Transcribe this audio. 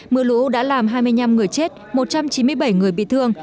mưa lũ đã làm hai mươi năm người chết một trăm chín mươi bảy người bị thương